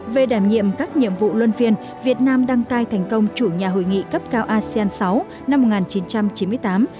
về đảm nhiệm các nhiệm vụ luân phiên việt nam đăng cai thành công chủ nhà hội nghị cấp cao asean sáu năm một nghìn chín trăm chín mươi tám